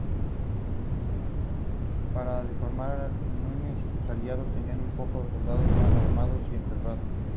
Para defenderse Núñez y sus aliados tenían muy pocos soldados, mal armados y entrenados.